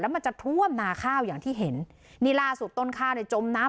มันจะท่วมนาข้าวอย่างที่เห็นนี่ล่าสุดต้นข้าวในจมน้ำ